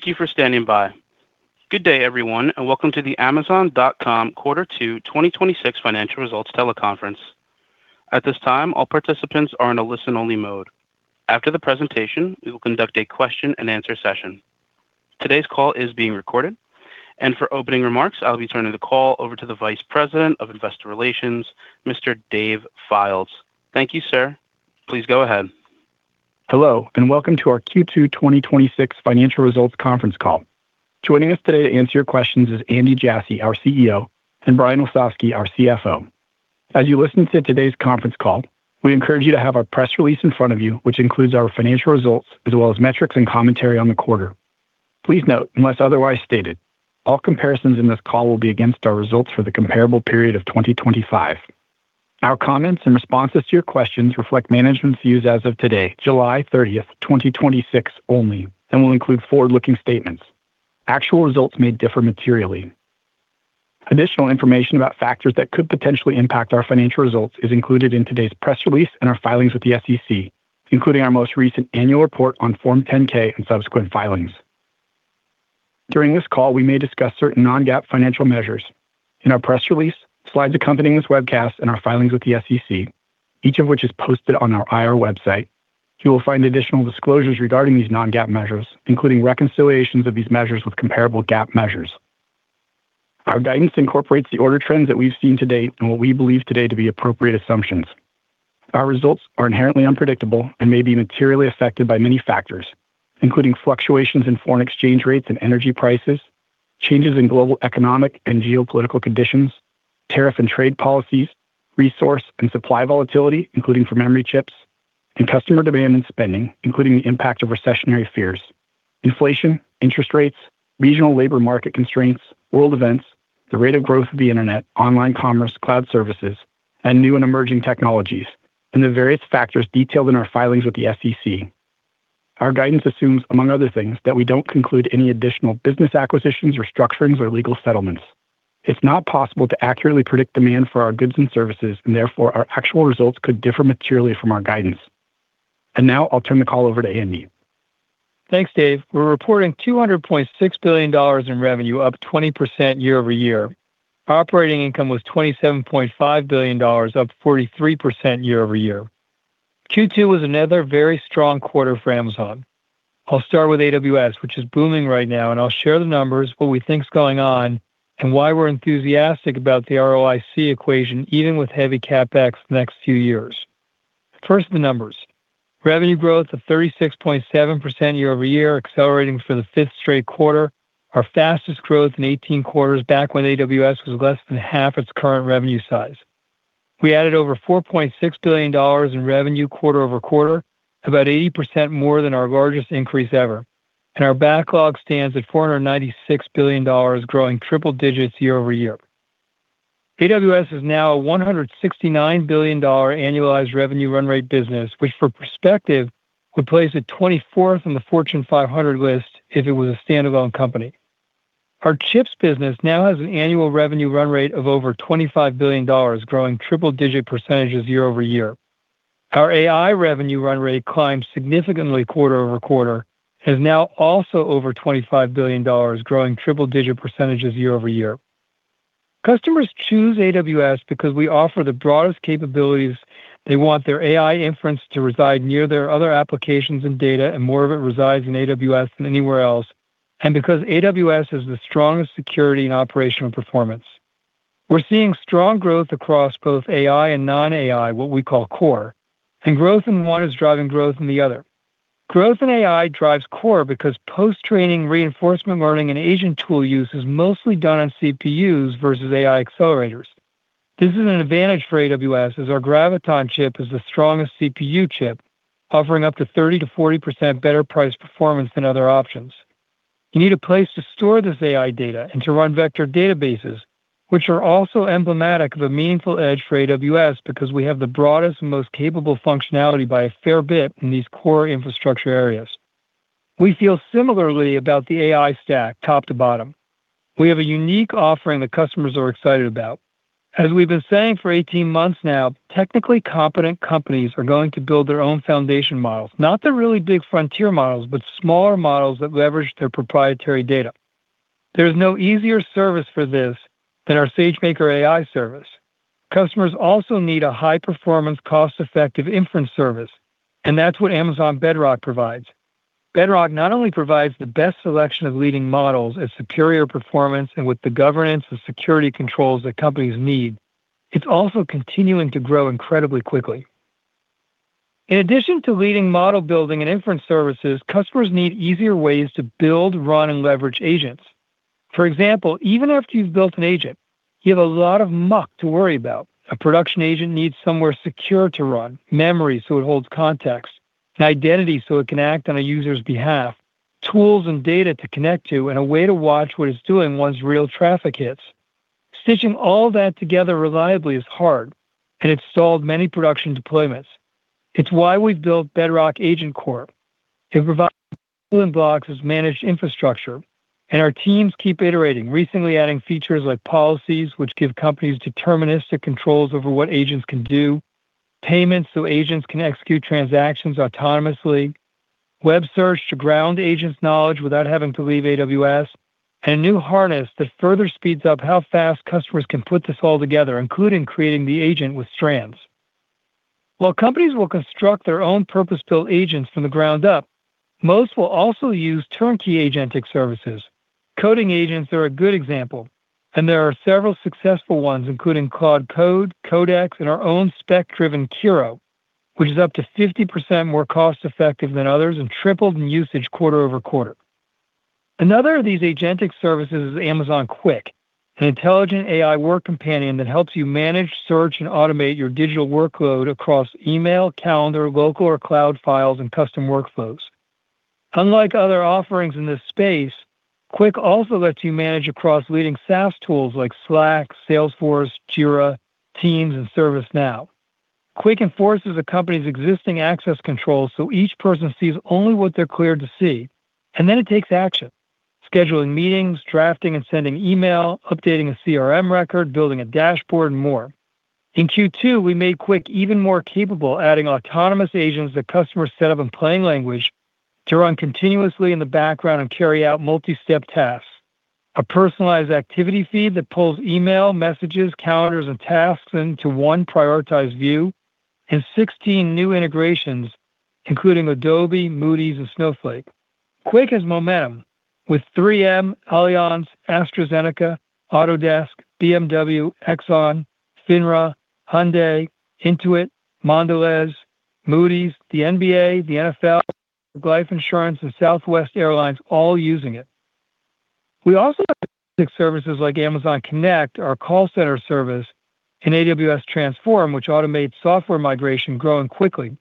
Thank you for standing by. Good day, everyone, and welcome to the Amazon.com Quarter Two 2026 financial results teleconference. At this time, all participants are in a listen-only mode. After the presentation, we will conduct a question-and-answer session. Today's call is being recorded. For opening remarks, I'll be turning the call over to the Vice President of Investor Relations, Mr. Dave Fildes. Thank you, sir. Please go ahead. Hello, and welcome to our Q2 2026 financial results conference call. Joining us today to answer your questions is Andy Jassy, our CEO, and Brian Olsavsky, our CFO. As you listen to today's conference call, we encourage you to have our press release in front of you, which includes our financial results as well as metrics and commentary on the quarter. Please note, unless otherwise stated, all comparisons in this call will be against our results for the comparable period of 2025. Our comments and responses to your questions reflect management's views as of today, July 30th, 2026, only, and will include forward-looking statements. Actual results may differ materially. Additional information about factors that could potentially impact our financial results is included in today's press release and our filings with the SEC, including our most recent annual report on Form 10-K and subsequent filings. During this call, we may discuss certain non-GAAP financial measures. In our press release, slides accompanying this webcast, and our filings with the SEC, each of which is posted on our IR website, you will find additional disclosures regarding these non-GAAP measures, including reconciliations of these measures with comparable GAAP measures. Our guidance incorporates the order trends that we've seen to date and what we believe today to be appropriate assumptions. Our results are inherently unpredictable and may be materially affected by many factors, including fluctuations in foreign exchange rates and energy prices, changes in global economic and geopolitical conditions, tariff and trade policies, resource and supply volatility, including for memory chips, and customer demand and spending, including the impact of recessionary fears, inflation, interest rates, regional labor market constraints, world events, the rate of growth of the internet, online commerce, cloud services, and new and emerging technologies, and the various factors detailed in our filings with the SEC. Our guidance assumes, among other things, that we don't conclude any additional business acquisitions, restructurings, or legal settlements. It's not possible to accurately predict demand for our goods and services, and therefore, our actual results could differ materially from our guidance. Now I'll turn the call over to Andy. Thanks, Dave. We're reporting $200.6 billion in revenue, up 20% year-over-year. Operating income was $27.5 billion, up 43% year-over-year. Q2 was another very strong quarter for Amazon. I'll start with AWS, which is booming right now, and I'll share the numbers, what we think is going on, and why we're enthusiastic about the ROIC equation, even with heavy CapEx the next few years. First, the numbers. Revenue growth of 36.7% year-over-year, accelerating for the fifth straight quarter, our fastest growth in 18 quarters back when AWS was less than half its current revenue size. We added over $4.6 billion in revenue quarter-over-quarter, about 80% more than our largest increase ever. Our backlog stands at $496 billion, growing triple digits year-over-year. AWS is now a $169 billion annualized revenue run rate business, which, for perspective, would place it 24th on the Fortune 500 list if it was a standalone company. Our chips business now has an annual revenue run rate of over $25 billion, growing triple-digit percentages year-over-year. Our AI revenue run rate climbed significantly quarter-over-quarter, and is now also over $25 billion, growing triple-digit percentages year-over-year. Customers choose AWS because we offer the broadest capabilities. They want their AI inference to reside near their other applications and data, and more of it resides in AWS than anywhere else. Because AWS has the strongest security and operational performance. We're seeing strong growth across both AI and non-AI, what we call core, and growth in one is driving growth in the other. Growth in AI drives core because post-training reinforcement learning and agent tool use is mostly done on CPUs versus AI accelerators. This is an advantage for AWS, as our Graviton chip is the strongest CPU chip, offering up to 30%-40% better price performance than other options. You need a place to store this AI data and to run vector databases, which are also emblematic of a meaningful edge for AWS because we have the broadest and most capable functionality by a fair bit in these core infrastructure areas. We feel similarly about the AI stack, top to bottom. We have a unique offering that customers are excited about. As we've been saying for 18 months now, technically competent companies are going to build their own foundation models. Not the really big frontier models, but smaller models that leverage their proprietary data. There is no easier service for this than our SageMaker AI service. Customers also need a high-performance, cost-effective inference service, and that's what Amazon Bedrock provides. Bedrock not only provides the best selection of leading models at superior performance and with the governance and security controls that companies need, it's also continuing to grow incredibly quickly. In addition to leading model building and inference services, customers need easier ways to build, run, and leverage agents. For example, even after you've built an agent, you have a lot of muck to worry about. A production agent needs somewhere secure to run, memory so it holds context, an identity so it can act on a user's behalf, tools and data to connect to, and a way to watch what it's doing once real traffic hits. Stitching all that together reliably is hard, and it's stalled many production deployments. It's why we've built Amazon Bedrock Agents. It provides building blocks as managed infrastructure, and our teams keep iterating, recently adding features like policies which give companies deterministic controls over what agents can do, payments so agents can execute transactions autonomously, web search to ground agents' knowledge without having to leave AWS, and a new harness that further speeds up how fast customers can put this all together, including creating the agent with Strands. While companies will construct their own purpose-built agents from the ground up, most will also use turnkey agentic services. Coding agents are a good example, and there are several successful ones, including Claude Code, Codex, and our own spec-driven Kiro, which is up to 50% more cost-effective than others and tripled in usage quarter-over-quarter. Another of these agentic services is Amazon Q, an intelligent AI work companion that helps you manage, search, and automate your digital workload across email, calendar, local or cloud files, and custom workflows. Unlike other offerings in this space, Q also lets you manage across leading SaaS tools like Slack, Salesforce, Jira, Teams, and ServiceNow. Q enforces a company's existing access controls so each person sees only what they're cleared to see. Then it takes action: scheduling meetings, drafting and sending email, updating a CRM record, building a dashboard, and more. In Q2, we made Q even more capable, adding autonomous agents that customers set up in plain language to run continuously in the background and carry out multi-step tasks, a personalized activity feed that pulls email, messages, calendars, and tasks into one prioritized view, and 16 new integrations, including Adobe, Moody's, and Snowflake. Q has momentum, with 3M, Allianz, AstraZeneca, Autodesk, BMW, Exxon, FINRA, Hyundai, Intuit, Mondelēz International, Moody's, the NBA, the NFL, Sun Life, and Southwest Airlines all using it. We also have services like Amazon Connect, our call center service, and AWS Transform, which automates software migration growing quickly.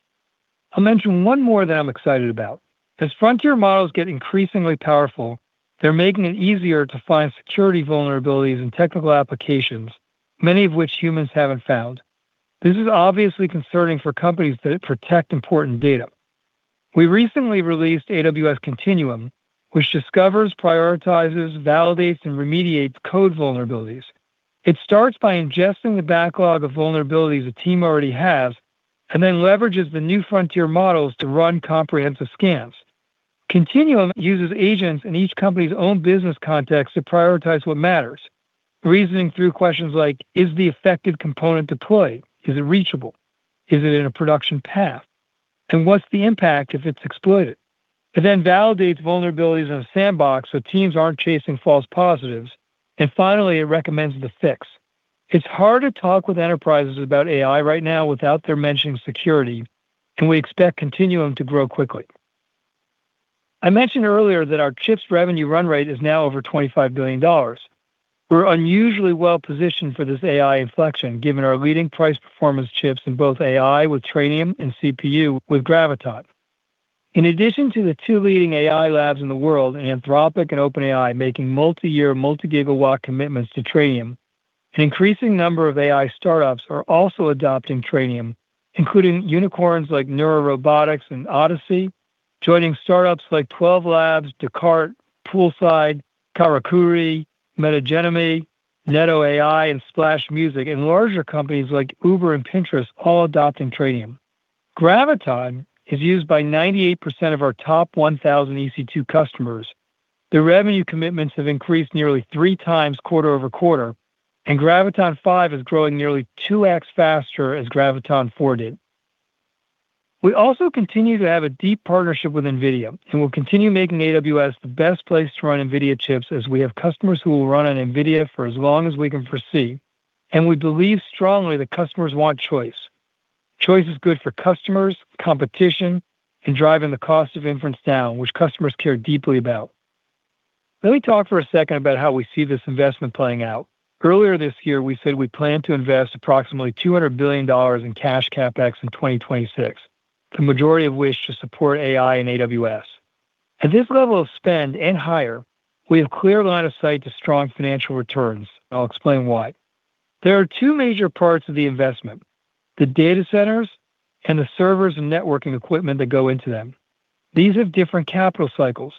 I will mention one more that I am excited about. As frontier models get increasingly powerful, they're making it easier to find security vulnerabilities in technical applications, many of which humans haven't found. This is obviously concerning for companies that protect important data. We recently released AWS Continuum, which discovers, prioritizes, validates, and remediates code vulnerabilities. It starts by ingesting the backlog of vulnerabilities a team already has and then leverages the new frontier models to run comprehensive scans. Continuum uses agents in each company's own business context to prioritize what matters, reasoning through questions like, "Is the affected component deployed? Is it reachable? Is it in a production path? What's the impact if it's exploited?" Then it validates vulnerabilities in a sandbox so teams aren't chasing false positives. Finally, it recommends the fix. It is hard to talk with enterprises about AI right now without their mentioning security. We expect Continuum to grow quickly. I mentioned earlier that our chips revenue run rate is now over $25 billion. We are unusually well-positioned for this AI inflection, given our leading price-performance chips in both AI with Trainium and CPU with Graviton. In addition to the two leading AI labs in the world, Anthropic and OpenAI, making multi-year, multi-gigawatt commitments to Trainium, an increasing number of AI startups are also adopting Trainium, including unicorns like Neurorobotics and Odyssey, joining startups like Twelve Labs, Descartes Labs, Poolside AI, Karakuri, Metagenomi, NetoAI, and Splash Music, and larger companies like Uber and Pinterest all adopting Trainium. Graviton is used by 98% of our top 1,000 EC2 customers. The revenue commitments have increased nearly 3x quarter-over-quarter, and Graviton5 is growing nearly 2x faster as Graviton4 did. We also continue to have a deep partnership with Nvidia, and we'll continue making AWS the best place to run Nvidia chips, as we have customers who will run on Nvidia for as long as we can foresee, and we believe strongly that customers want choice. Choice is good for customers, competition, and driving the cost of inference down, which customers care deeply about. Let me talk for a second about how we see this investment playing out. Earlier this year, we said we plan to invest approximately $200 billion in cash CapEx in 2026, the majority of which to support AI and AWS. At this level of spend and higher, we have clear line of sight to strong financial returns. I'll explain why. There are two major parts of the investment, the data centers and the servers and networking equipment that go into them. These have different capital cycles.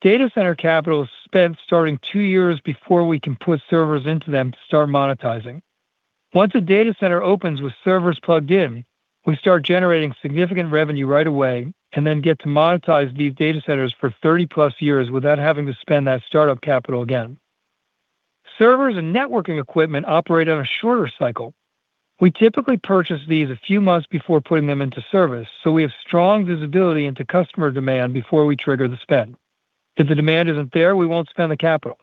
Data center capital is spent starting two years before we can put servers into them to start monetizing. Once a data center opens with servers plugged in, we start generating significant revenue right away and then get to monetize these data centers for 30+ years without having to spend that startup capital again. Servers and networking equipment operate on a shorter cycle. We typically purchase these a few months before putting them into service, so we have strong visibility into customer demand before we trigger the spend. If the demand isn't there, we won't spend the capital.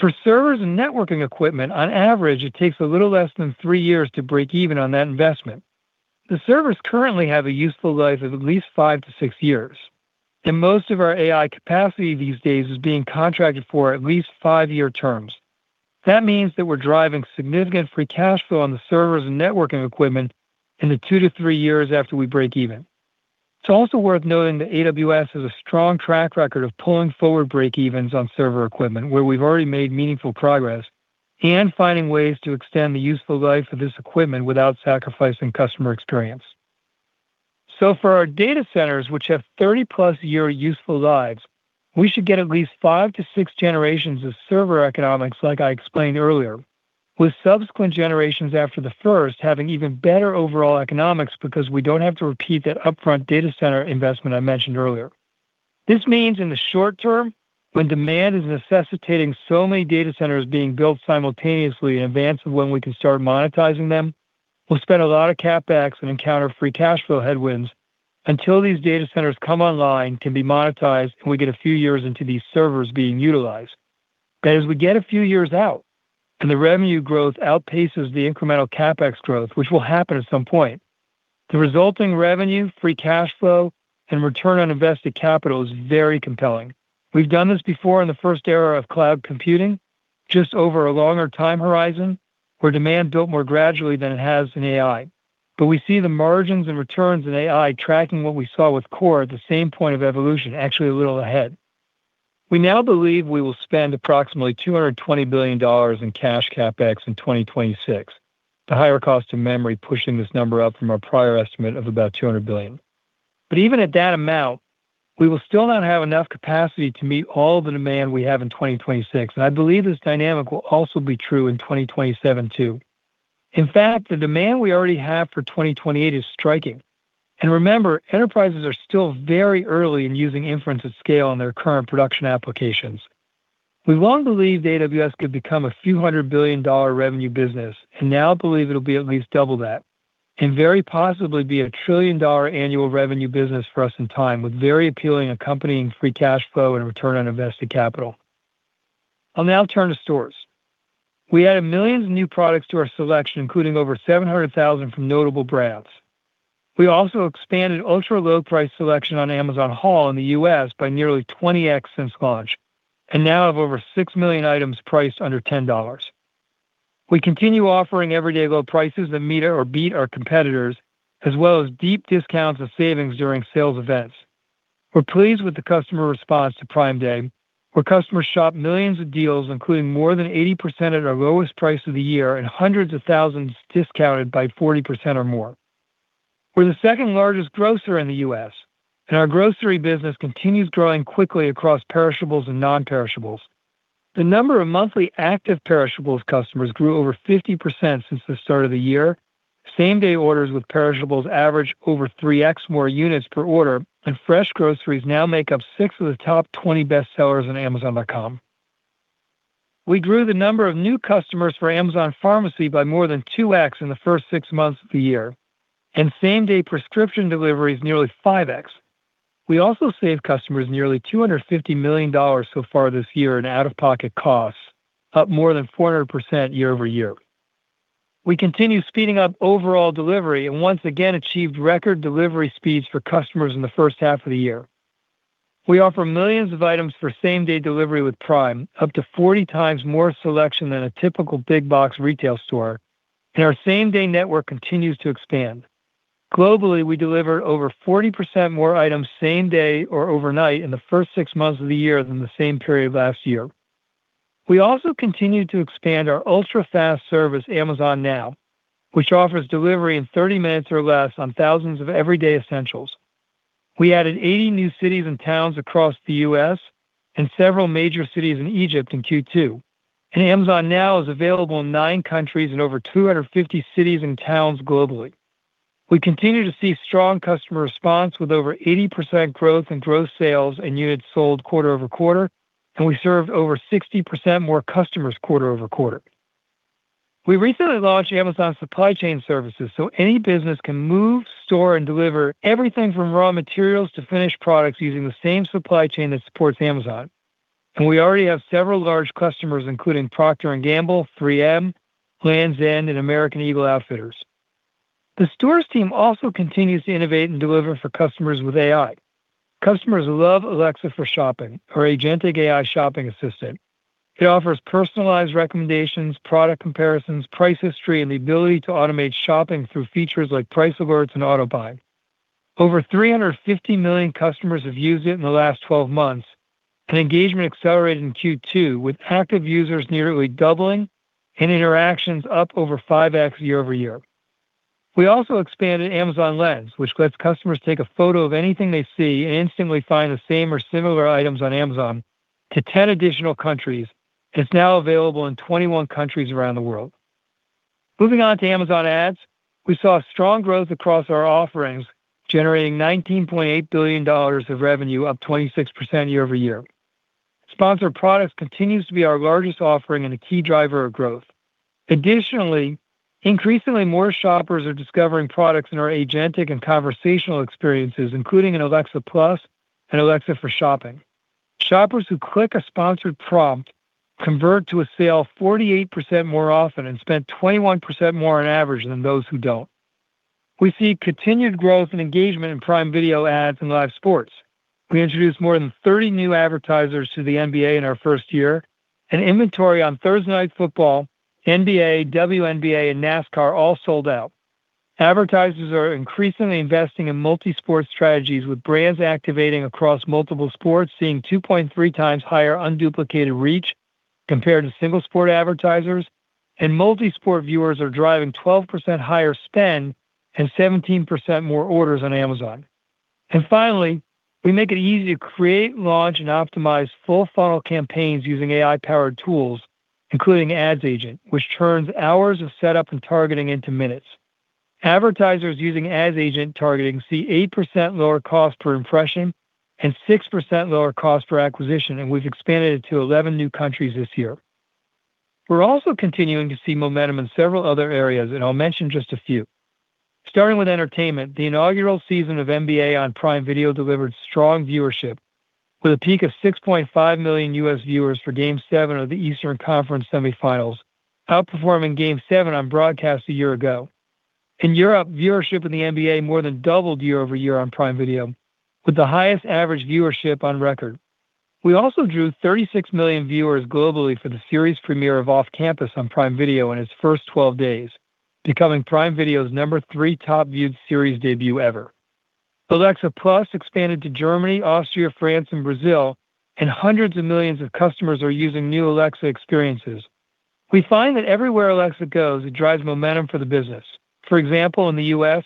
For servers and networking equipment, on average, it takes a little less than three years to break even on that investment. The servers currently have a useful life of at least five to six years, and most of our AI capacity these days is being contracted for at least five-year terms. That means that we're driving significant free cash flow on the servers and networking equipment in the two to three years after we break even. It's also worth noting that AWS has a strong track record of pulling forward break evens on server equipment where we've already made meaningful progress and finding ways to extend the useful life of this equipment without sacrificing customer experience. For our data centers, which have 30+ year useful lives, we should get at least five to six generations of server economics, like I explained earlier, with subsequent generations after the first having even better overall economics because we don't have to repeat that upfront data center investment I mentioned earlier. This means in the short term, when demand is necessitating so many data centers being built simultaneously in advance of when we can start monetizing them, we'll spend a lot of CapEx and encounter free cash flow headwinds until these data centers come online, can be monetized, and we get a few years into these servers being utilized. As we get a few years out and the revenue growth outpaces the incremental CapEx growth, which will happen at some point, the resulting revenue, free cash flow, and return on invested capital is very compelling. We've done this before in the first era of cloud computing, just over a longer time horizon, where demand built more gradually than it has in AI. We see the margins and returns in AI tracking what we saw with Core at the same point of evolution, actually a little ahead. We now believe we will spend approximately $220 billion in cash CapEx in 2026. The higher cost of memory pushing this number up from our prior estimate of about $200 billion. Even at that amount, we will still not have enough capacity to meet all the demand we have in 2026, and I believe this dynamic will also be true in 2027, too. In fact, the demand we already have for 2028 is striking. Remember, enterprises are still very early in using inference at scale in their current production applications. We long believed AWS could become a few hundred billion-dollar revenue business and now believe it'll be at least double that, and very possibly be a trillion-dollar annual revenue business for us in time, with very appealing accompanying free cash flow and return on invested capital. I'll now turn to Stores. We added millions of new products to our selection, including over 700,000 from notable brands. We also expanded ultra-low price selection on Amazon Haul in the U.S. by nearly 20x since launch and now have over 6 million items priced under $10. We continue offering everyday low prices that meet or beat our competitors, as well as deep discounts and savings during sales events. We're pleased with the customer response to Prime Day, where customers shop millions of deals, including more than 80% at our lowest price of the year and hundreds of thousands discounted by 40% or more. We're the second largest grocer in the U.S., and our grocery business continues growing quickly across perishables and non-perishables. The number of monthly active perishables customers grew over 50% since the start of the year. Same-day orders with perishables average over 3x more units per order, and fresh groceries now make up six of the top 20 best sellers on amazon.com. We grew the number of new customers for Amazon Pharmacy by more than 2x in the first six months of the year, and same-day prescription deliveries nearly 5x. We also saved customers nearly $250 million so far this year in out-of-pocket costs, up more than 400% year-over-year. We continue speeding up overall delivery and once again achieved record delivery speeds for customers in the first half of the year. We offer millions of items for same-day delivery with Prime, up to 40 times more selection than a typical big box retail store, and our same-day network continues to expand. Globally, we delivered over 40% more items same day or overnight in the first six months of the year than the same period last year. We also continued to expand our ultra-fast service, Amazon Now, which offers delivery in 30 minutes or less on thousands of everyday essentials. We added 80 new cities and towns across the U.S. and several major cities in Egypt in Q2, and Amazon Now is available in nine countries and over 250 cities and towns globally. We continue to see strong customer response with over 80% growth in growth sales and units sold quarter-over-quarter, and we served over 60% more customers quarter-over-quarter. We recently launched Amazon Supply Chain Services. Any business can move, store, and deliver everything from raw materials to finished products using the same supply chain that supports Amazon. We already have several large customers, including Procter & Gamble, 3M, Lands' End, and American Eagle Outfitters. The Stores team also continues to innovate and deliver for customers with AI. Customers love Alexa for Shopping, our agentic AI shopping assistant. It offers personalized recommendations, product comparisons, price history, and the ability to automate shopping through features like price alerts and auto-buy. Over 350 million customers have used it in the last 12 months, and engagement accelerated in Q2, with active users nearly doubling and interactions up over 5x year-over-year. We also expanded Amazon Lens, which lets customers take a photo of anything they see and instantly find the same or similar items on Amazon, to 10 additional countries, and it's now available in 21 countries around the world. Moving on to Amazon Ads, we saw strong growth across our offerings, generating $19.8 billion of revenue, up 26% year-over-year. Sponsored Products continues to be our largest offering and a key driver of growth. Additionally, increasingly more shoppers are discovering products in our agentic and conversational experiences, including in Alexa+ and Alexa for Shopping. Shoppers who click a sponsored prompt convert to a sale 48% more often and spend 21% more on average than those who don't. We see continued growth and engagement in Prime Video ads and live sports. We introduced more than 30 new advertisers to the NBA in our first year, and inventory on Thursday Night Football, NBA, WNBA, and NASCAR all sold out. Advertisers are increasingly investing in multi-sport strategies, with brands activating across multiple sports seeing 2.3x higher unduplicated reach. Compared to single sport advertisers, multi-sport viewers are driving 12% higher spend and 17% more orders on Amazon. Finally, we make it easy to create, launch, and optimize full-funnel campaigns using AI-powered tools, including Ads Agent, which turns hours of setup and targeting into minutes. Advertisers using Ads Agent targeting see 8% lower cost per impression and 6% lower cost per acquisition, and we've expanded it to 11 new countries this year. We're also continuing to see momentum in several other areas, and I'll mention just a few. Starting with entertainment, the inaugural season of NBA on Prime Video delivered strong viewership with a peak of 6.5 million U.S. viewers for Game Seven of the Eastern Conference Semifinals, outperforming Game Seven on broadcast a year ago. In Europe, viewership in the NBA more than doubled year-over-year on Prime Video, with the highest average viewership on record. We also drew 36 million viewers globally for the series premiere of "Off Campus" on Prime Video in its first 12 days, becoming Prime Video's number three top-viewed series debut ever. Alexa+ expanded to Germany, Austria, France, and Brazil, and hundreds of millions of customers are using new Alexa experiences. We find that everywhere Alexa goes, it drives momentum for the business. For example, in the U.S.,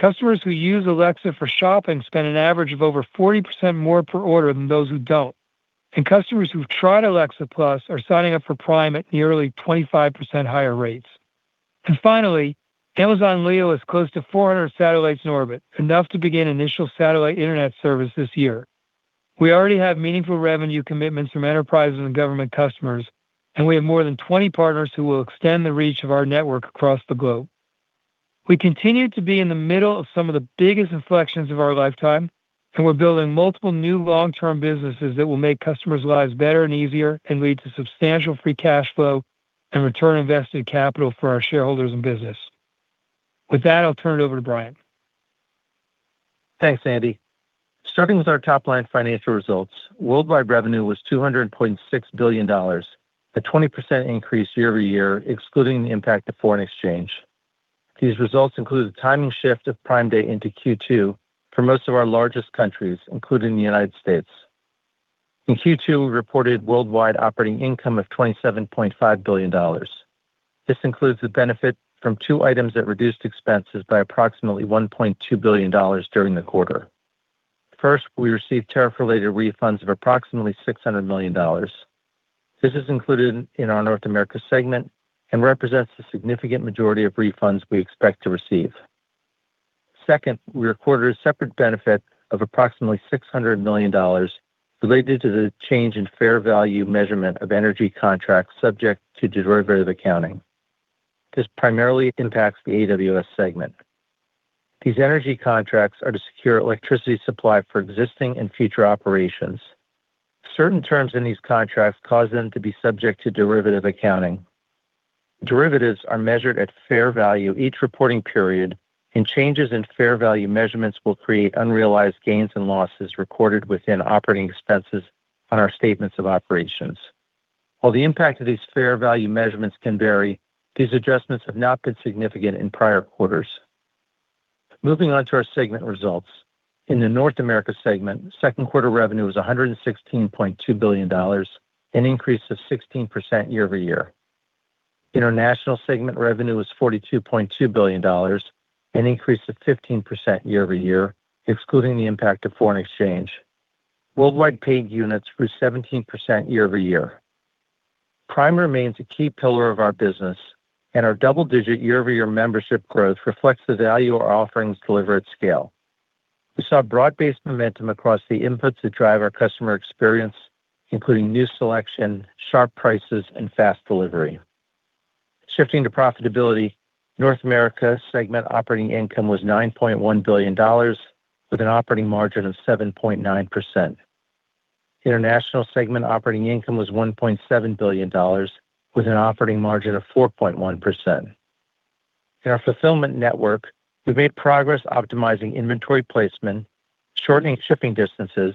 customers who use Alexa for Shopping spend an average of over 40% more per order than those who don't. Customers who've tried Alexa+ are signing up for Prime at nearly 25% higher rates. Finally, Amazon Leo is close to 400 satellites in orbit, enough to begin initial satellite internet service this year. We already have meaningful revenue commitments from enterprises and government customers, and we have more than 20 partners who will extend the reach of our network across the globe. We continue to be in the middle of some of the biggest inflections of our lifetime, and we're building multiple new long-term businesses that will make customers' lives better and easier and lead to substantial free cash flow and return on invested capital for our shareholders and business. With that, I'll turn it over to Brian. Thanks, Andy. Starting with our top-line financial results, worldwide revenue was $200.6 billion, a 20% increase year-over-year, excluding the impact of foreign exchange. These results include the timing shift of Prime Day into Q2 for most of our largest countries, including the U.S. In Q2, we reported worldwide operating income of $27.5 billion. This includes the benefit from two items that reduced expenses by approximately $1.2 billion during the quarter. First, we received tariff-related refunds of approximately $600 million. This is included in our North America segment and represents the significant majority of refunds we expect to receive. Second, we recorded a separate benefit of approximately $600 million related to the change in fair value measurement of energy contracts subject to derivative accounting. This primarily impacts the AWS segment. These energy contracts are to secure electricity supply for existing and future operations. Certain terms in these contracts cause them to be subject to derivative accounting. Derivatives are measured at fair value each reporting period, and changes in fair value measurements will create unrealized gains and losses recorded within operating expenses on our statements of operations. While the impact of these fair value measurements can vary, these adjustments have not been significant in prior quarters. Moving on to our segment results. In the North America segment, second quarter revenue was $116.2 billion, an increase of 16% year-over-year. International segment revenue was $42.2 billion, an increase of 15% year-over-year, excluding the impact of foreign exchange. Worldwide paid units grew 17% year-over-year. Prime remains a key pillar of our business, and our double-digit year-over-year membership growth reflects the value our offerings deliver at scale. We saw broad-based momentum across the inputs that drive our customer experience, including new selection, sharp prices, and fast delivery. Shifting to profitability, North America segment operating income was $9.1 billion with an operating margin of 7.9%. International segment operating income was $1.7 billion with an operating margin of 4.1%. In our fulfillment network, we made progress optimizing inventory placement, shortening shipping distances,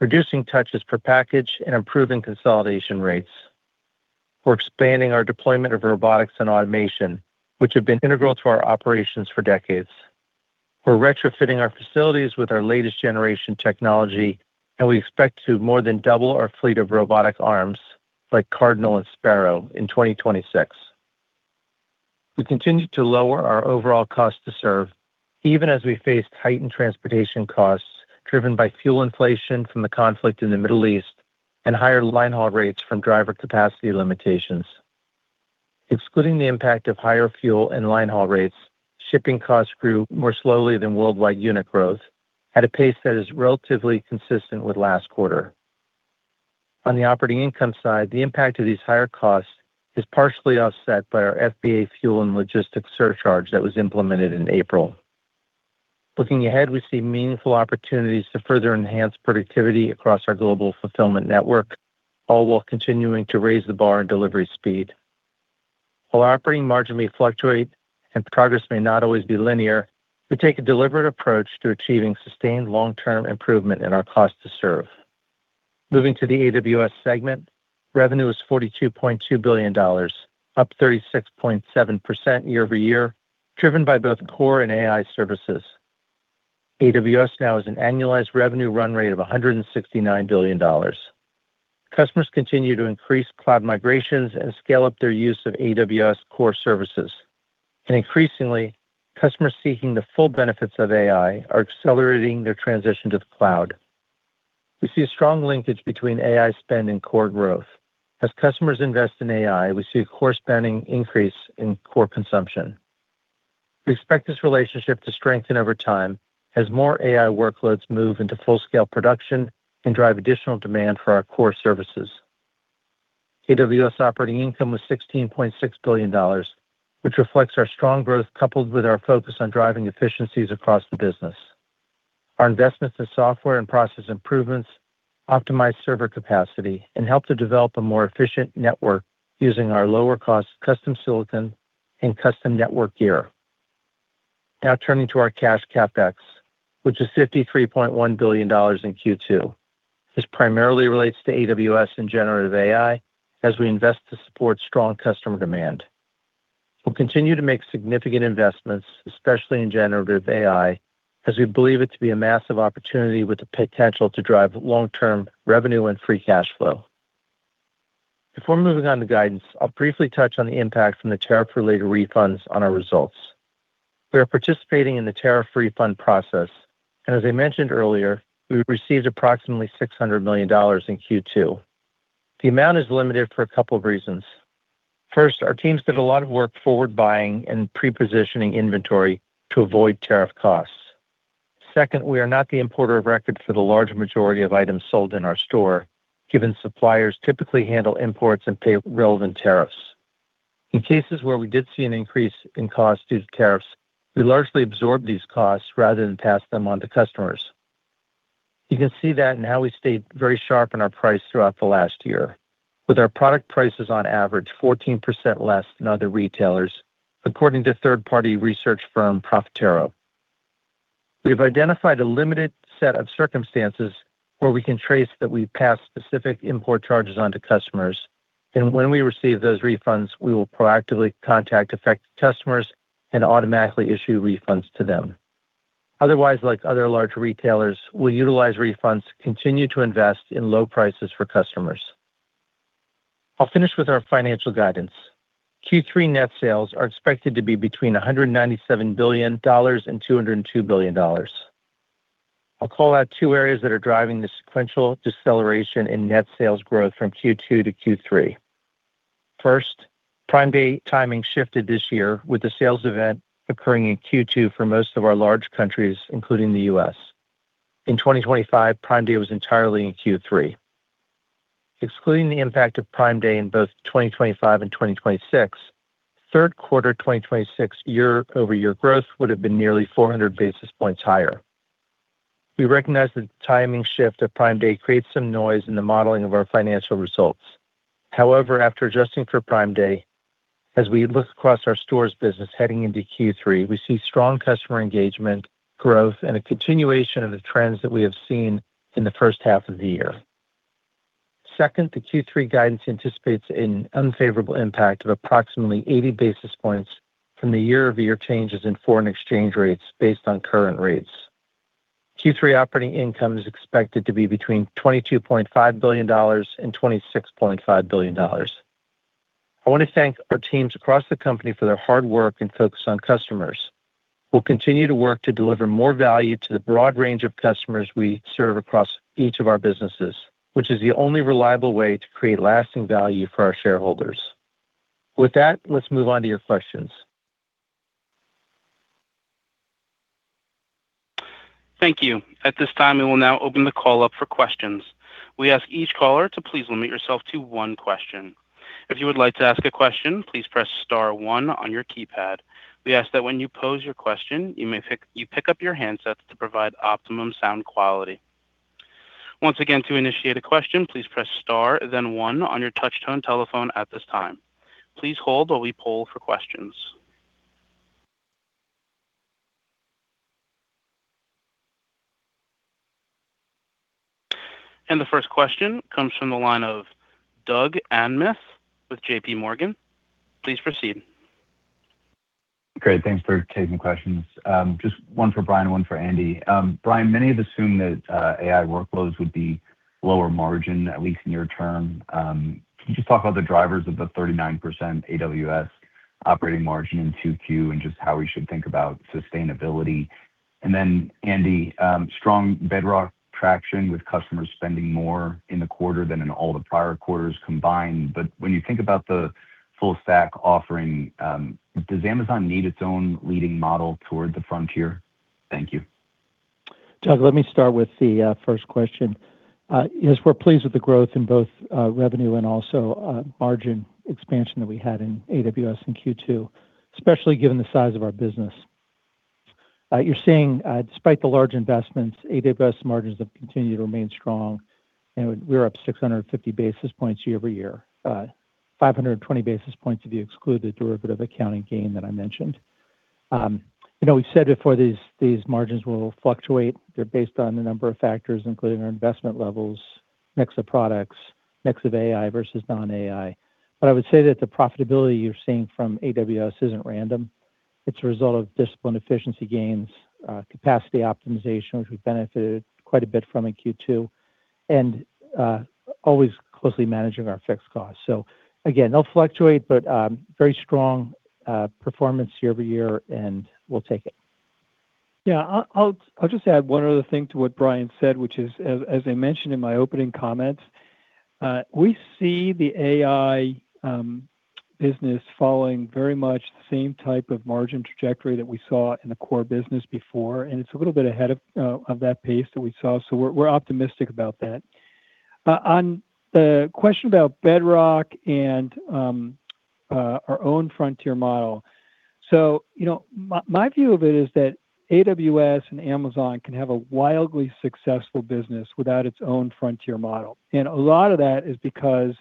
reducing touches per package, and improving consolidation rates. We're expanding our deployment of robotics and automation, which have been integral to our operations for decades. We're retrofitting our facilities with our latest generation technology, and we expect to more than double our fleet of robotic arms, like Cardinal and Sparrow, in 2026. We continue to lower our overall cost to serve, even as we face heightened transportation costs driven by fuel inflation from the conflict in the Middle East and higher line haul rates from driver capacity limitations. Excluding the impact of higher fuel and line haul rates, shipping costs grew more slowly than worldwide unit growth at a pace that is relatively consistent with last quarter. On the operating income side, the impact of these higher costs is partially offset by our FBA fuel and logistics surcharge that was implemented in April. Looking ahead, we see meaningful opportunities to further enhance productivity across our global fulfillment network, all while continuing to raise the bar in delivery speed. While operating margin may fluctuate and progress may not always be linear, we take a deliberate approach to achieving sustained long-term improvement in our cost to serve. Moving to the AWS segment, revenue was $42.2 billion, up 36.7% year-over-year, driven by both core and AI services. AWS now has an annualized revenue run rate of $169 billion. Customers continue to increase cloud migrations and scale up their use of AWS core services. Increasingly, customers seeking the full benefits of AI are accelerating their transition to the cloud. We see a strong linkage between AI spend and core growth. As customers invest in AI, we see a corresponding increase in core consumption. We expect this relationship to strengthen over time as more AI workloads move into full-scale production and drive additional demand for our core services. AWS operating income was $16.6 billion, which reflects our strong growth, coupled with our focus on driving efficiencies across the business. Our investments in software and process improvements optimize server capacity and help to develop a more efficient network using our lower cost custom silicon and custom network gear. Now turning to our cash CapEx, which is $53.1 billion in Q2. This primarily relates to AWS and generative AI as we invest to support strong customer demand. We'll continue to make significant investments, especially in generative AI, as we believe it to be a massive opportunity with the potential to drive long-term revenue and free cash flow. Before moving on to guidance, I'll briefly touch on the impact from the tariff-related refunds on our results. We are participating in the tariff refund process, as I mentioned earlier, we received approximately $600 million in Q2. The amount is limited for a couple of reasons. First, our teams did a lot of work forward buying and pre-positioning inventory to avoid tariff costs. Second, we are not the importer of record for the large majority of items sold in our store, given suppliers typically handle imports and pay relevant tariffs. In cases where we did see an increase in cost due to tariffs, we largely absorbed these costs rather than pass them on to customers. You can see that in how we stayed very sharp in our price throughout the last year. With our product prices on average 14% less than other retailers, according to third-party research firm, Profitero. We've identified a limited set of circumstances where we can trace that we passed specific import charges on to customers. When we receive those refunds, we will proactively contact affected customers and automatically issue refunds to them. Otherwise, like other large retailers, we'll utilize refunds to continue to invest in low prices for customers. I'll finish with our financial guidance. Q3 net sales are expected to be between $197 billion and $202 billion. I'll call out two areas that are driving the sequential deceleration in net sales growth from Q2 to Q3. First, Prime Day timing shifted this year with the sales event occurring in Q2 for most of our large countries, including the U.S. In 2025, Prime Day was entirely in Q3. Excluding the impact of Prime Day in both 2025 and 2026, third quarter 2026 year-over-year growth would have been nearly 400 basis points higher. We recognize the timing shift of Prime Day creates some noise in the modeling of our financial results. However, after adjusting for Prime Day, as we look across our stores business heading into Q3, we see strong customer engagement, growth, and a continuation of the trends that we have seen in the first half of the year. Second, the Q3 guidance anticipates an unfavorable impact of approximately 80 basis points from the year-over-year changes in foreign exchange rates based on current rates. Q3 operating income is expected to be between $22.5 billion and $26.5 billion. I want to thank our teams across the company for their hard work and focus on customers. We'll continue to work to deliver more value to the broad range of customers we serve across each of our businesses, which is the only reliable way to create lasting value for our shareholders. With that, let's move on to your questions. Thank you. At this time, we will now open the call up for questions. We ask each caller to please limit yourself to one question. If you would like to ask a question, please press star one on your keypad. We ask that when you pose your question, you pick up your handsets to provide optimum sound quality. Once again, to initiate a question, please press star, then one on your touch tone telephone at this time. Please hold while we poll for questions. The first question comes from the line of Doug Anmuth with J.P. Morgan. Please proceed. Great. Thanks for taking questions. Just one for Brian, one for Andy. Brian, many have assumed that AI workloads would be lower margin, at least near term. Can you just talk about the drivers of the 39% AWS operating margin in 2Q and just how we should think about sustainability? Andy, strong Amazon Bedrock traction with customers spending more in the quarter than in all the prior quarters combined. When you think about the full stack offering, does Amazon need its own leading model toward the frontier? Thank you. Doug, let me start with the first question. Yes, we're pleased with the growth in both revenue and also margin expansion that we had in AWS in Q2, especially given the size of our business. You're seeing, despite the large investments, AWS margins have continued to remain strong, and we're up 650 basis points year-over-year. 520 basis points if you exclude the derivative accounting gain that I mentioned. We've said before, these margins will fluctuate. They're based on a number of factors, including our investment levels Mix of products, mix of AI versus non-AI. I would say that the profitability you're seeing from AWS isn't random. It's a result of disciplined efficiency gains, capacity optimization, which we benefited quite a bit from in Q2, and always closely managing our fixed costs. Again, they'll fluctuate, but very strong performance year-over-year, and we'll take it. Yeah. I'll just add one other thing to what Brian said, which is, as I mentioned in my opening comments, we see the AI business following very much the same type of margin trajectory that we saw in the core business before, and it's a little bit ahead of that pace that we saw. We're optimistic about that. On the question about Bedrock and our own frontier model. My view of it is that AWS and Amazon can have a wildly successful business without its own frontier model. A lot of that is because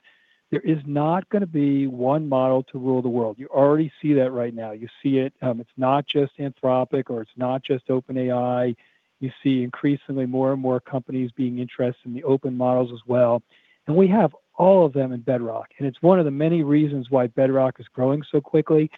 there is not going to be one model to rule the world. You already see that right now. You see it. It's not just Anthropic, or it's not just OpenAI. You see increasingly more and more companies being interested in the open models as well. We have all of them in Bedrock, and it's one of the many reasons why Bedrock is growing so quickly.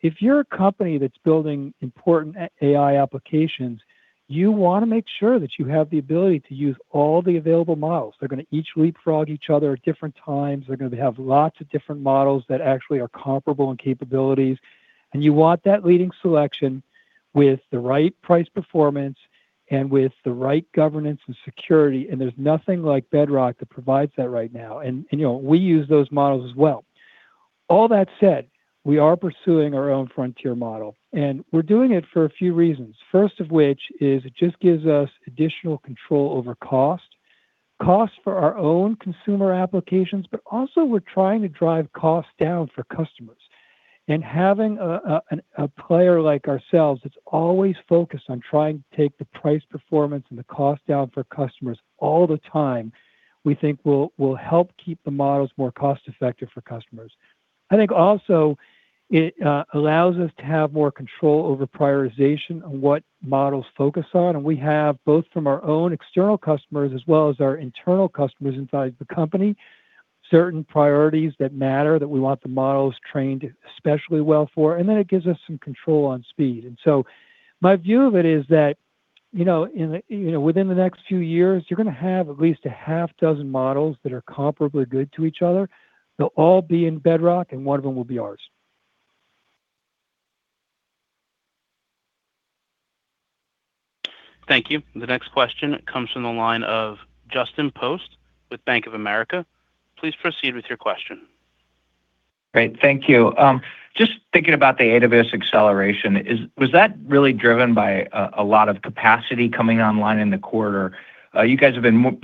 If you're a company that's building important AI applications, you want to make sure that you have the ability to use all the available models. They're going to each leapfrog each other at different times. They're going to have lots of different models that actually are comparable in capabilities. You want that leading selection with the right price performance and with the right governance and security, and there's nothing like Bedrock that provides that right now. We use those models as well. All that said, we are pursuing our own frontier model, and we're doing it for a few reasons. First of which is it just gives us additional control over cost. Cost for our own consumer applications, also we're trying to drive costs down for customers. Having a player like ourselves that's always focused on trying to take the price performance and the cost down for customers all the time, we think will help keep the models more cost effective for customers. I think also it allows us to have more control over prioritization on what models focus on. We have, both from our own external customers as well as our internal customers inside the company, certain priorities that matter that we want the models trained especially well for, then it gives us some control on speed. My view of it is that within the next few years, you're going to have at least a half dozen models that are comparably good to each other. They'll all be in Bedrock, one of them will be ours. Thank you. The next question comes from the line of Justin Post with Bank of America. Please proceed with your question. Great. Thank you. Just thinking about the AWS acceleration, was that really driven by a lot of capacity coming online in the quarter? You guys have been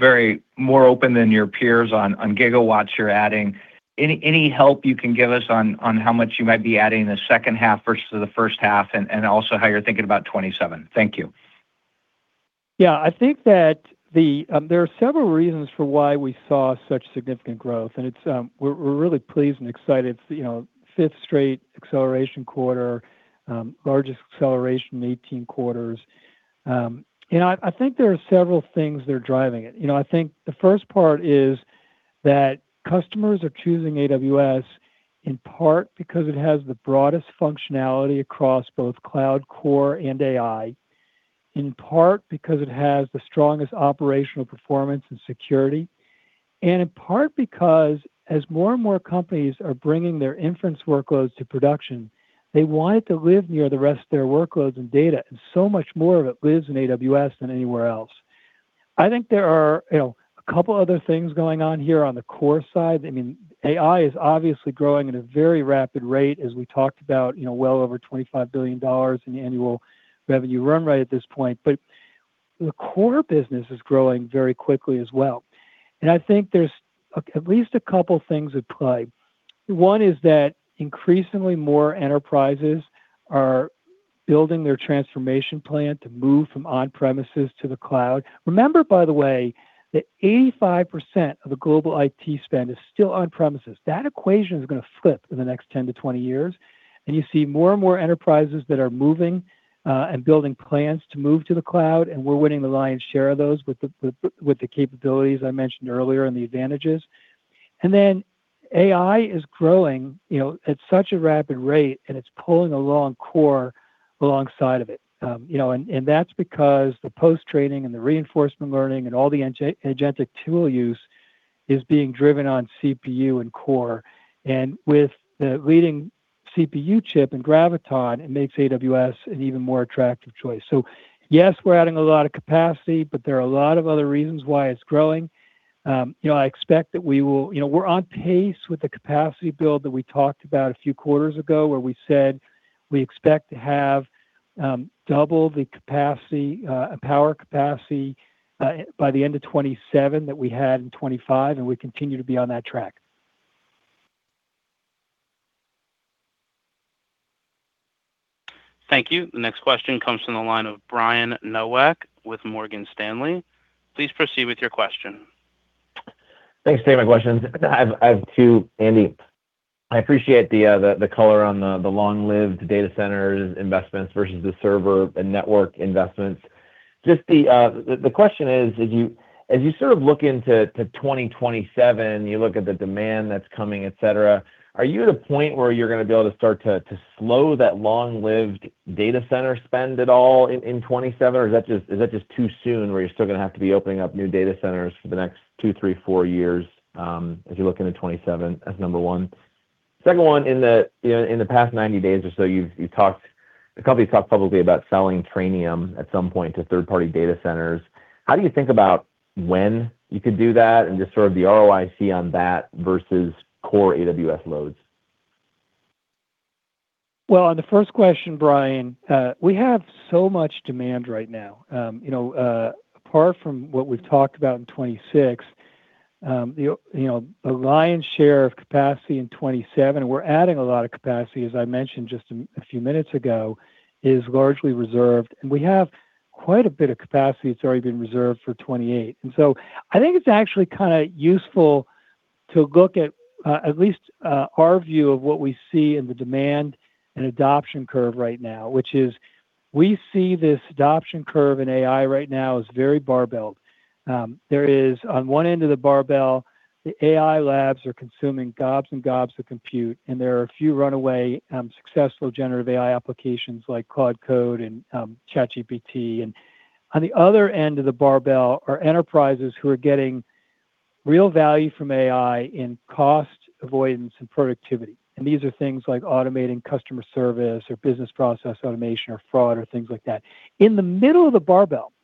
more open than your peers on gigawatts you're adding. Any help you can give us on how much you might be adding in the second half versus the first half, also how you're thinking about 2027? Thank you. Yeah. I think that there are several reasons for why we saw such significant growth, we're really pleased and excited. It's fifth straight acceleration quarter, largest acceleration in 18 quarters. I think there are several things that are driving it. I think the first part is that customers are choosing AWS in part because it has the broadest functionality across both cloud core and AI, in part because it has the strongest operational performance and security, in part because as more and more companies are bringing their inference workloads to production, they want it to live near the rest of their workloads and data, and so much more of it lives in AWS than anywhere else. I think there are a couple other things going on here on the core side. AI is obviously growing at a very rapid rate, as we talked about, well over $25 billion in annual revenue run rate at this point. The core business is growing very quickly as well, and I think there's at least a couple things at play. One is that increasingly more enterprises are building their transformation plan to move from on-premises to the cloud. Remember, by the way, that 85% of the global IT spend is still on premises. That equation is going to flip in the next 10-20 years. You see more and more enterprises that are moving and building plans to move to the cloud, we're winning the lion's share of those with the capabilities I mentioned earlier and the advantages. AI is growing, at such a rapid rate, and it's pulling along core alongside of it. That's because the post-training and the reinforcement learning and all the agentic tool use is being driven on CPU and core. With the leading CPU chip in Graviton, it makes AWS an even more attractive choice. Yes, we're adding a lot of capacity, there are a lot of other reasons why it's growing. We're on pace with the capacity build that we talked about a few quarters ago, where we said we expect to have double the power capacity by the end of 2027 that we had in 2025, and we continue to be on that track. Thank you. The next question comes from the line of Brian Nowak with Morgan Stanley. Please proceed with your question. Thanks. Thanks for taking my questions. I have two, Andy. I appreciate the color on the long-lived data centers investments versus the server and network investments. The question is, as you look into 2027, you look at the demand that's coming, et cetera, are you at a point where you're going to be able to start to slow that long-lived data center spend at all in 2027, or is that just too soon where you're still going to have to be opening up new data centers for the next two, three, four years as you look into 2027 as number one? Second one, in the past 90 days or so, the company talked publicly about selling Trainium at some point to third-party data centers. How do you think about when you could do that and just sort of the ROIC on that versus core AWS loads? Well, on the first question, Brian, we have so much demand right now. Apart from what we've talked about in 2026, the lion's share of capacity in 2027, we're adding a lot of capacity, as I mentioned just a few minutes ago, is largely reserved, and we have quite a bit of capacity that's already been reserved for 2028. I think it's actually kind of useful to look at at least our view of what we see in the demand and adoption curve right now, which is we see this adoption curve in AI right now is very barbellled. There is, on one end of the barbell, the AI labs are consuming gobs and gobs of compute, and there are a few runaway successful generative AI applications like Claude Code and ChatGPT. On the other end of the barbell are enterprises who are getting real value from AI in cost avoidance and productivity. These are things like automating customer service or business process automation or fraud or things like that. In the middle of the barbell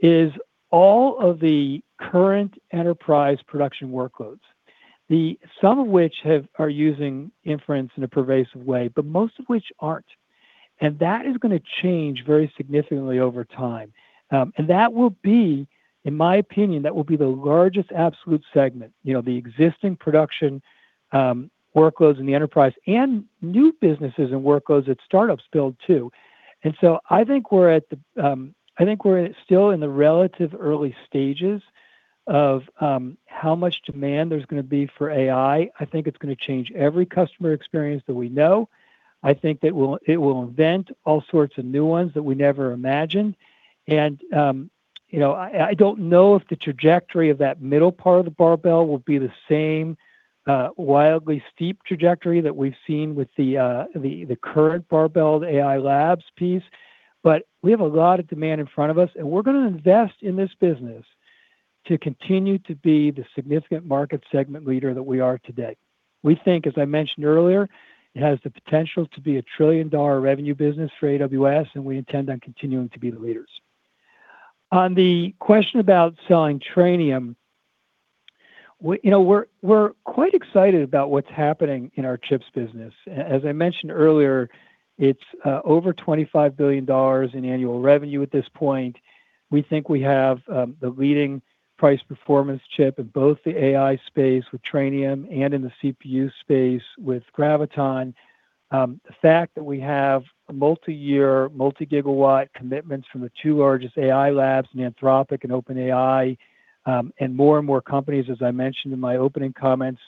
is all of the current enterprise production workloads, some of which are using inference in a pervasive way, but most of which aren't. That is going to change very significantly over time. In my opinion, that will be the largest absolute segment, the existing production workloads in the enterprise and new businesses and workloads that startups build too. I think we're still in the relative early stages of how much demand there's going to be for AI. I think it's going to change every customer experience that we know. I think that it will invent all sorts of new ones that we never imagined. I don't know if the trajectory of that middle part of the barbell will be the same wildly steep trajectory that we've seen with the current barbell AI labs piece. We have a lot of demand in front of us, and we're going to invest in this business to continue to be the significant market segment leader that we are today. We think, as I mentioned earlier, it has the potential to be a $1 trillion revenue business for AWS, and we intend on continuing to be the leaders. On the question about selling Trainium, we're quite excited about what's happening in our chips business. As I mentioned earlier, it's over $25 billion in annual revenue at this point. We think we have the leading price-performance chip in both the AI space with Trainium and in the CPU space with Graviton. The fact that we have multi-year, multi-gigawatt commitments from the two largest AI labs, Anthropic and OpenAI, and more and more companies, as I mentioned in my opening comments,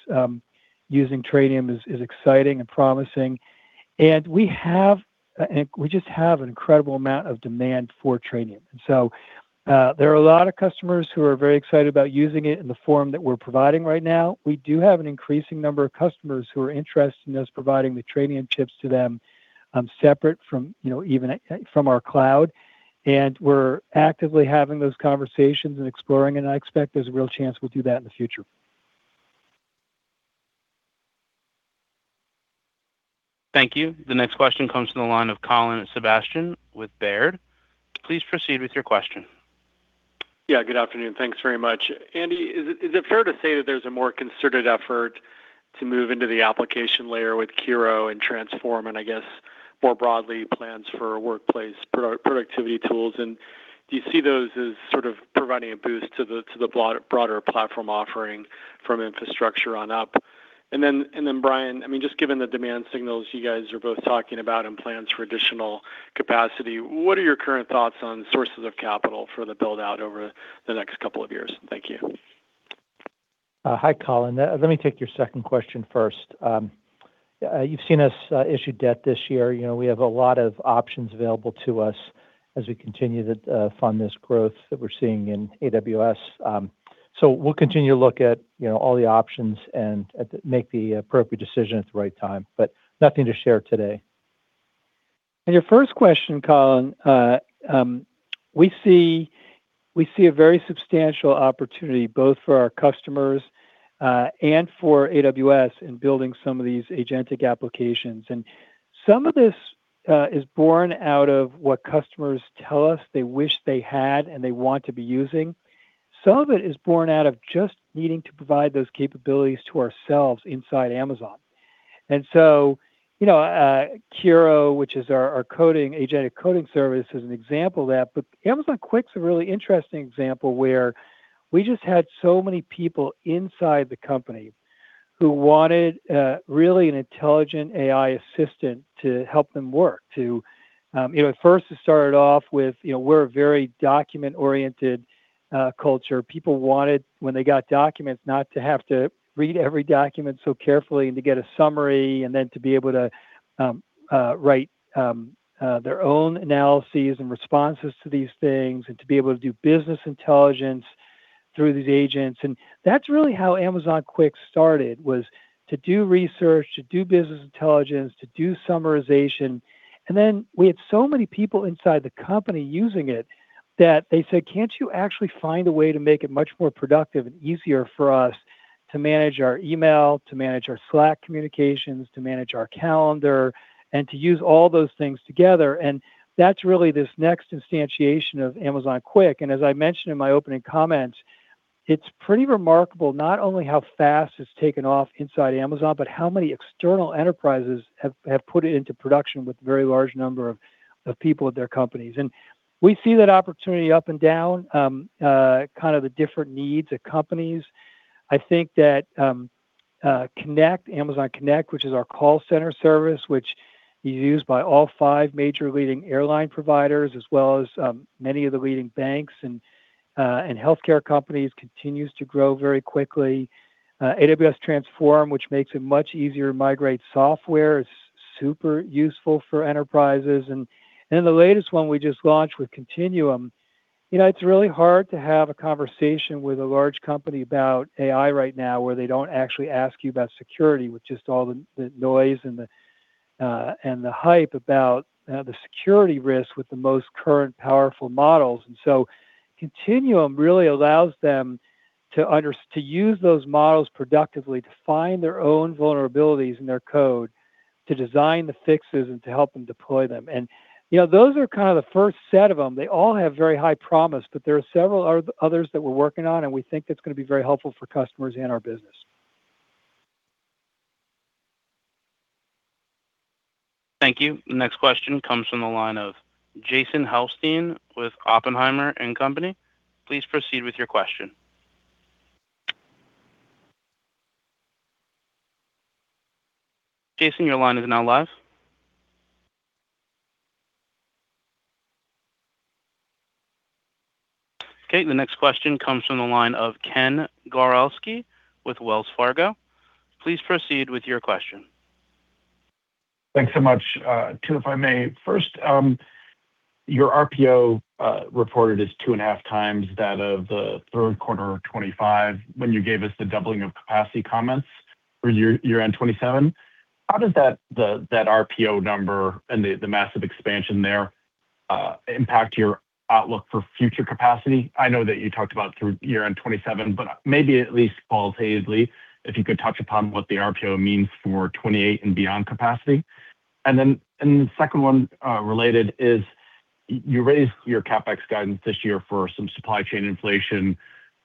using Trainium is exciting and promising. We just have an incredible amount of demand for Trainium. There are a lot of customers who are very excited about using it in the form that we're providing right now. We do have an increasing number of customers who are interested in us providing the Trainium chips to them, separate from our cloud, and we're actively having those conversations and exploring, and I expect there's a real chance we'll do that in the future. Thank you. The next question comes from the line of Colin Sebastian with Baird. Please proceed with your question. Yeah, good afternoon. Thanks very much. Andy, is it fair to say that there's a more concerted effort to move into the application layer with Kiro and Transform, and I guess more broadly, plans for workplace productivity tools? Do you see those as sort of providing a boost to the broader platform offering from infrastructure on up? Brian, just given the demand signals you guys are both talking about and plans for additional capacity, what are your current thoughts on sources of capital for the build-out over the next couple of years? Thank you. Hi, Colin. Let me take your second question first. You've seen us issue debt this year. We have a lot of options available to us as we continue to fund this growth that we're seeing in AWS. We'll continue to look at all the options and make the appropriate decision at the right time, but nothing to share today. On your first question, Colin, we see a very substantial opportunity both for our customers and for AWS in building some of these agentic applications. Some of this is born out of what customers tell us they wish they had and they want to be using. Some of it is born out of just needing to provide those capabilities to ourselves inside Amazon. Kiro, which is our agentic coding service, is an example of that. Amazon Q's a really interesting example where we just had so many people inside the company who wanted really an intelligent AI assistant to help them work. At first, it started off with, we're a very document-oriented culture. People wanted, when they got documents, not to have to read every document so carefully, and to get a summary, and then to be able to write their own analyses and responses to these things, and to be able to do business intelligence through these agents. That's really how Amazon Q started, was to do research, to do business intelligence, to do summarization. We had so many people inside the company using it that they said, "Can't you actually find a way to make it much more productive and easier for us to manage our email, to manage our Slack communications, to manage our calendar, and to use all those things together?" That's really this next instantiation of Amazon Q. As I mentioned in my opening comments, it's pretty remarkable not only how fast it's taken off inside Amazon, but how many external enterprises have put it into production with a very large number of people at their companies. We see that opportunity up and down, kind of the different needs of companies. I think that Amazon Connect, which is our call center service, which is used by all five major leading airline providers, as well as many of the leading banks and healthcare companies, continues to grow very quickly. AWS Transform, which makes it much easier to migrate software, is super useful for enterprises. In the latest one we just launched with Continuum, it's really hard to have a conversation with a large company about AI right now where they don't actually ask you about security, with just all the noise and the hype about the security risks with the most current, powerful models. Continuum really allows them to use those models productively to find their own vulnerabilities in their code, to design the fixes, and to help them deploy them. Those are kind of the first set of them. They all have very high promise, but there are several others that we're working on, and we think it's going to be very helpful for customers and our business. Thank you. The next question comes from the line of Jason Helfstein with Oppenheimer & Co.. Please proceed with your question. Jason, your line is now live. Okay, the next question comes from the line of Ken Gawrelski with Wells Fargo. Please proceed with your question. Thanks so much. Two, if I may. First, your RPO reported as two and a half times that of the third quarter of 2025 when you gave us the doubling of capacity comments for year-end 2027. How does that RPO number and the massive expansion there impact your outlook for future capacity? I know that you talked about through year-end 2027, but maybe at least qualitatively, if you could touch upon what the RPO means for 2028 and beyond capacity. The second one related is you raised your CapEx guidance this year for some supply chain inflation.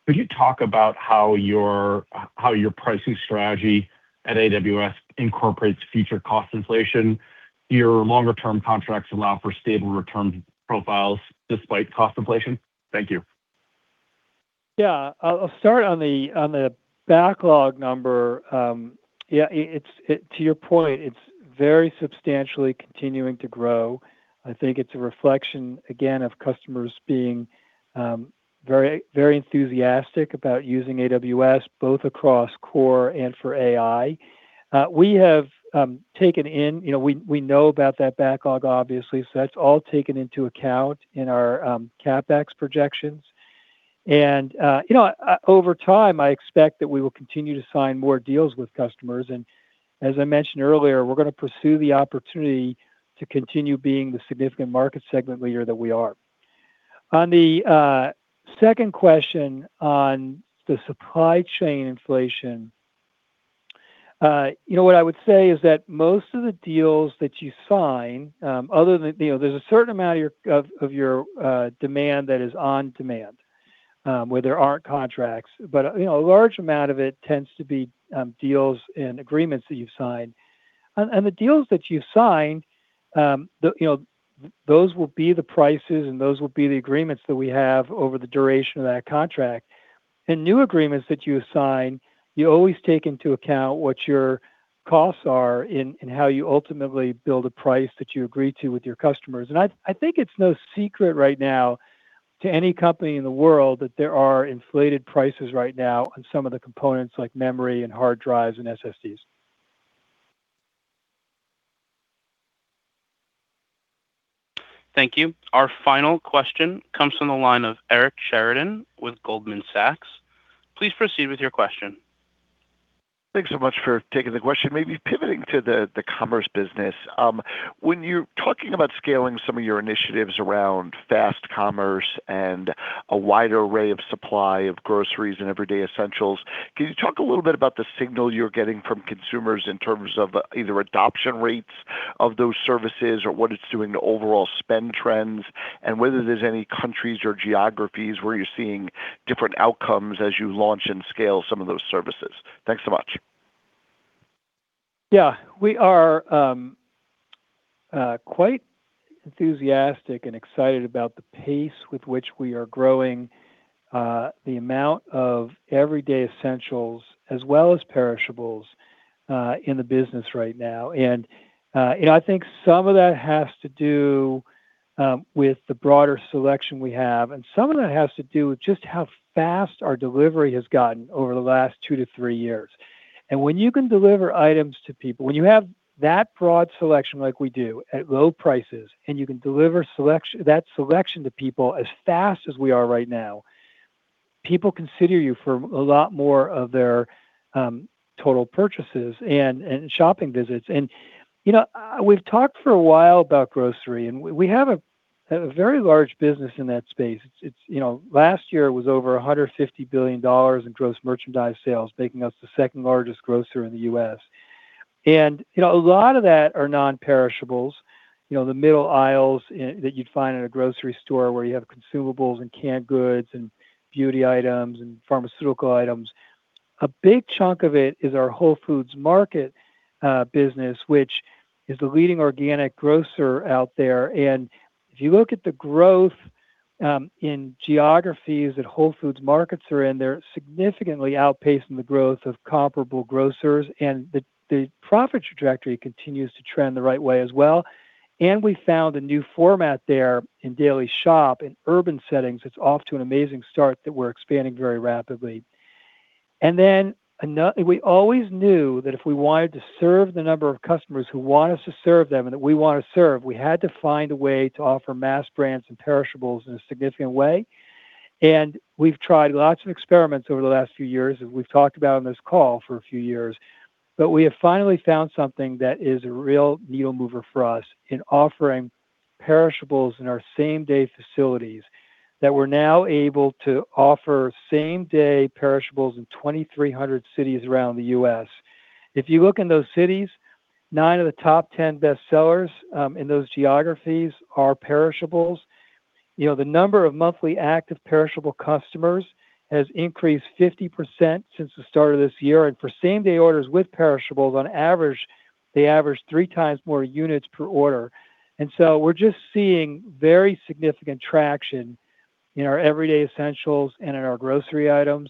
Could you talk about how your pricing strategy at AWS incorporates future cost inflation? Do your longer-term contracts allow for stable return profiles despite cost inflation? Thank you. Yeah. I'll start on the backlog number. To your point, it's very substantially continuing to grow. I think it's a reflection, again, of customers being very enthusiastic about using AWS, both across core and for AI. We know about that backlog, obviously, so that's all taken into account in our CapEx projections. Over time, I expect that we will continue to sign more deals with customers, and as I mentioned earlier, we're going to pursue the opportunity to continue being the significant market segment leader that we are. On the second question on the supply chain inflation. What I would say is that most of the deals that you sign, there's a certain amount of your demand that is on demand, where there aren't contracts. A large amount of it tends to be deals and agreements that you've signed. The deals that you sign, those will be the prices and those will be the agreements that we have over the duration of that contract. New agreements that you sign, you always take into account what your costs are and how you ultimately build a price that you agree to with your customers. I think it's no secret right now to any company in the world that there are inflated prices right now on some of the components like memory and hard drives and SSDs. Thank you. Our final question comes from the line of Eric Sheridan with Goldman Sachs. Please proceed with your question. Thanks so much for taking the question. Maybe pivoting to the commerce business. When you're talking about scaling some of your initiatives around fast commerce and a wider array of supply of groceries and everyday essentials, can you talk a little bit about the signal you're getting from consumers in terms of either adoption rates of those services or what it's doing to overall spend trends? Whether there's any countries or geographies where you're seeing different outcomes as you launch and scale some of those services. Thanks so much. Yeah. We are quite enthusiastic and excited about the pace with which we are growing the amount of everyday essentials, as well as perishables, in the business right now. I think some of that has to do with the broader selection we have. Some of that has to do with just how fast our delivery has gotten over the last two to three years. When you can deliver items to people, when you have that broad selection like we do at low prices, and you can deliver that selection to people as fast as we are right now, people consider you for a lot more of their total purchases and shopping visits. We've talked for a while about grocery, and we have a very large business in that space. Last year, it was over $150 billion in gross merchandise sales, making us the second largest grocer in the U.S. A lot of that are non-perishables, the middle aisles that you'd find in a grocery store where you have consumables and canned goods and beauty items and pharmaceutical items. A big chunk of it is our Whole Foods Market business, which is the leading organic grocer out there. If you look at the growth in geographies that Whole Foods Markets are in, they're significantly outpacing the growth of comparable grocers, and the profit trajectory continues to trend the right way as well. We found a new format there in Daily Shop in urban settings. It's off to an amazing start that we're expanding very rapidly. We always knew that if we wanted to serve the number of customers who want us to serve them and that we want to serve, we had to find a way to offer mass brands and perishables in a significant way. We've tried lots of experiments over the last few years, as we've talked about on this call for a few years. We have finally found something that is a real needle mover for us in offering perishables in our same-day facilities that we're now able to offer same-day perishables in 2,300 cities around the U.S. If you look in those cities, nine of the top 10 best sellers in those geographies are perishables. The number of monthly active perishable customers has increased 50% since the start of this year. For same-day orders with perishables, on average, they average three times more units per order. We're just seeing very significant traction in our everyday essentials and in our grocery items.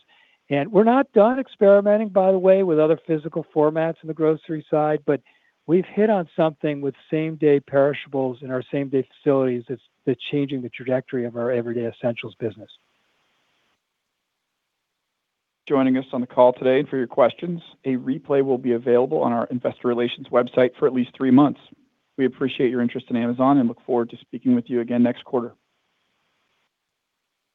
We're not done experimenting, by the way, with other physical formats in the grocery side, but we've hit on something with same-day perishables in our same-day facilities that's changing the trajectory of our everyday essentials business. Joining us on the call today for your questions. A replay will be available on our investor relations website for at least three months. We appreciate your interest in Amazon and look forward to speaking with you again next quarter.